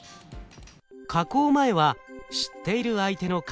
加工前は知っている相手の顔。